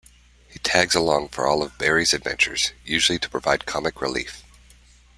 He tags along for all of Barry's adventures, usually to provide comic relief.